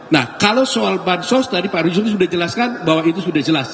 nah kalau soal bansos tadi pak rusun sudah jelaskan bahwa itu sudah jelas